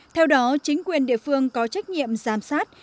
theo đó chính quyền địa phương có trách nhiệm giám sát